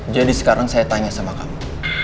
jadi sekarang saya tanya sama kamu